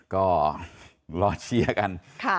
ก็รอเชียร์กัน